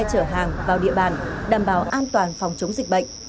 chở hàng vào địa bàn đảm bảo an toàn phòng chống dịch bệnh